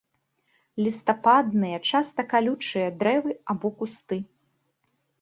Лістападныя, часта калючыя, дрэвы або кусты.